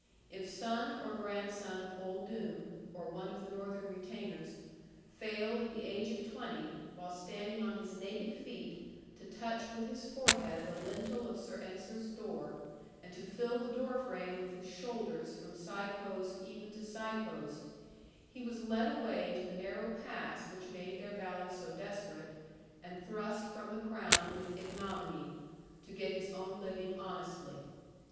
If son or grandson of old Doone, or one of the northern retainers, failed at the age of twenty, while standing on his naked feet to touch with his forehead the lintel of Sir Ensor's door, and to fill the door frame with his shoulders from sidepost even to sidepost, he was led away to the narrow pass which made their valley so desperate, and thrust from the crown with ignominy, to get his own living honestly.